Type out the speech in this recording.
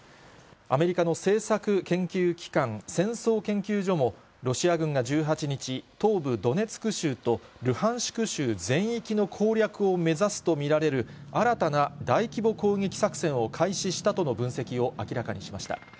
アメリカの政策研究機関、戦争研究所も、ロシア軍が１８日、東部ドネツク州とルハンシク州全域の攻略を目指すと見られる、新たな大規模攻撃作戦を開始したとの分析を明らかにしました。